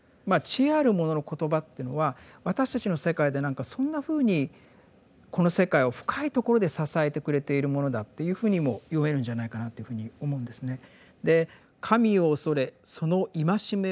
まあ知恵ある者の言葉っていうのは私たちの世界で何かそんなふうにこの世界を深いところで支えてくれているものだというふうにも読めるんじゃないかなというふうに思うんですね。